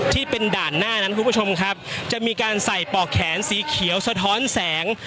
ที่เป็นด่านหน้านั้นคุณผู้ชมครับจะมีการใส่ปอกแขนสีเขียวสะท้อนแสง